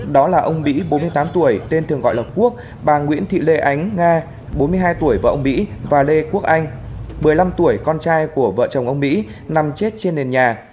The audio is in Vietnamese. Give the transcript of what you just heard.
đó là ông mỹ bốn mươi tám tuổi tên thường gọi là quốc bà nguyễn thị lê ánh nga bốn mươi hai tuổi vợ ông mỹ và lê quốc anh một mươi năm tuổi con trai của vợ chồng ông mỹ nằm chết trên nền nhà